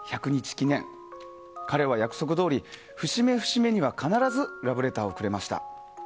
記念彼は約束どおり、節目節目には必ずラブレターをくれました。